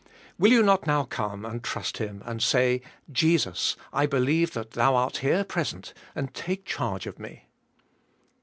Will you not now come and trust Him and say, * 'Jesus, I believe that Thou art here, present and take charge of me."